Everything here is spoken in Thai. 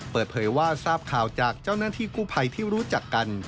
เปิดเผยว่าทราบข่าวจากเจ้าหน้าที่กู้ภัยที่รู้จักกัน